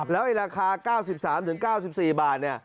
และราคา๙๓๙๔บาท